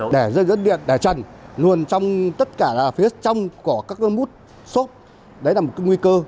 để dây điện để trần luôn trong tất cả phía trong của các mút xốp đấy là một nguy cơ